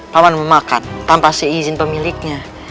pak man memakan tanpa seizin pemiliknya